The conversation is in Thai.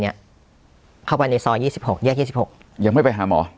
เนี้ยเข้าไปในซอยยี่สิบหกแยกยี่สิบหกยังไม่ไปหาหมอ